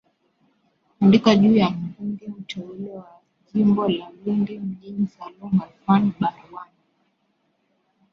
andika juu ya mbunge mteule wa jimbo la lindi mjini salum halfan baruan